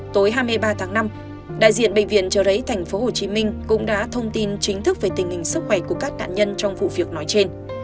tối hai mươi ba tháng năm đại diện bệnh viện trợ rẫy tp hcm cũng đã thông tin chính thức về tình hình sức khỏe của các nạn nhân trong vụ việc nói trên